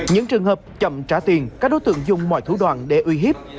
những trường hợp chậm trả tiền các đối tượng dùng mọi thủ đoạn để uy hiếp